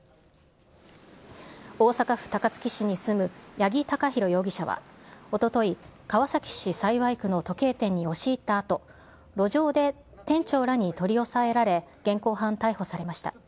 大阪府高槻市に住む八木貴寛容疑者はおととい、川崎市幸区の時計店に押し入ったあと、路上で店長らに取り押さえられ、現行犯逮捕されました。